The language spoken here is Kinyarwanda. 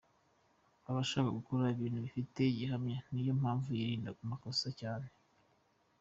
Aba shaka gukora ibintu bifite gihamya niyo mpamvu yirinda amakosa cyane.